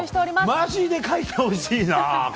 マジで描いてほしいな！